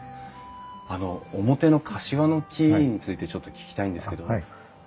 あの表のカシワの木についてちょっと聞きたいんですけど。